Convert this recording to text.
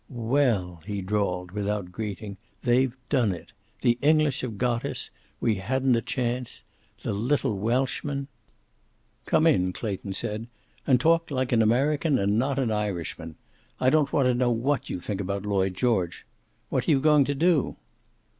"Well!" he drawled, without greeting. "They've done it. The English have got us. We hadn't a chance. The little Welshman " "Come in," Clayton said, "and talk like an American and not an Irishman. I don't want to know what you think about Lloyd George. What are you going to do?"